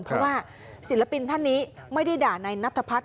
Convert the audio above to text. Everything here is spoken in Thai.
เพราะว่าศิลปินท่านนี้ไม่ได้ด่านายนัทพัฒน